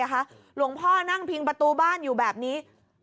หลวงพ่อนั่งพิงประตูบ้านอยู่แบบนี้